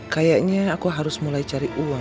kayaknya aku harus mulai cari uang